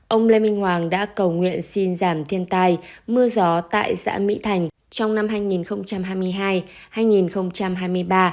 ông lê minh hoàng đã cầu nguyện xin giảm thiên tai mưa gió tại xã mỹ thành trong năm hai nghìn hai mươi hai hai nghìn hai mươi ba